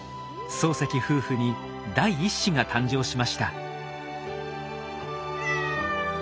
漱石夫婦に第一子が誕生しました。